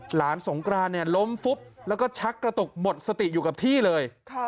สงกรานเนี่ยล้มฟุบแล้วก็ชักกระตุกหมดสติอยู่กับที่เลย